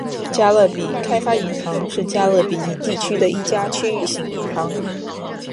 加勒比开发银行是加勒比海地区的一家区域性银行。